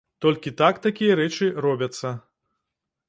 Толькі так такія рэчы робяцца.